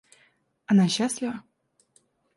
Она счастлива?